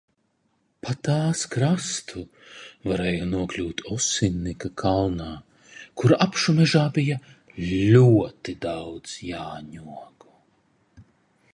Pa tās krastu varēja nokļūt Osinnika kalnā, kur apšu mežā bija ļoti daudz jāņogu.